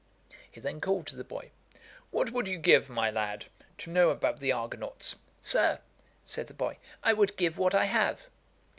He then called to the boy, 'What would you give, my lad, to know about the Argonauts?' 'Sir (said the boy,) I would give what I have.'